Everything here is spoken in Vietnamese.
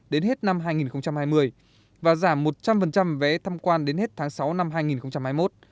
đến hết năm hai nghìn hai mươi và giảm một trăm linh vé thăm quan đến hết tháng sáu năm hai nghìn hai mươi một